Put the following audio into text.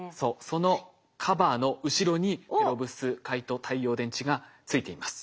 そのカバーの後ろにペロブスカイト太陽電池がついています。